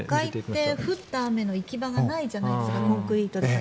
都会って降った雨の行き場がないじゃないですか。